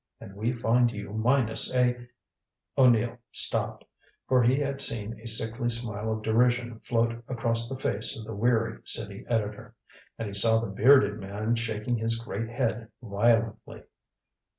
And we find you minus a " O'Neill stopped. For he had seen a sickly smile of derision float across the face of the weary city editor. And he saw the bearded man shaking his great head violently.